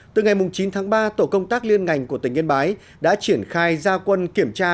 từ ngày chín tháng ba tổ công tác liên ngành của tỉnh yên bái đã triển khai gia quân kiểm tra